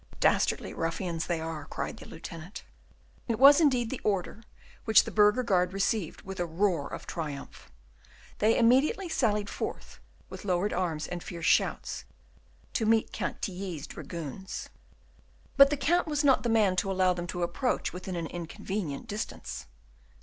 "Dastardly ruffians they are," cried the lieutenant. It was indeed the order, which the burgher guard received with a roar of triumph. They immediately sallied forth, with lowered arms and fierce shouts, to meet Count Tilly's dragoons. But the Count was not the man to allow them to approach within an inconvenient distance.